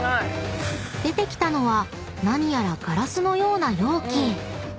［出てきたのは何やらガラスのような容器］